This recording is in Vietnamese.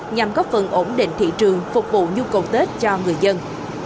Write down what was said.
nhằm góp phần ổn định thị trường phục vụ nhu cầu tết cho người dân